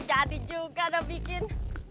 jadi juga udah bikin